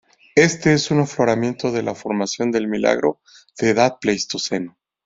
Este es un afloramiento de la formación el Milagro de edad Pleistoceno.